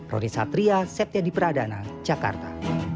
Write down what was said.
roni satria septia di pradana jakarta